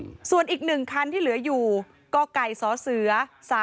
อืมส่วนอีกหนึ่งคันที่เหลืออยู่ก็ไก่สอเสือ๓๐๐๑๓๒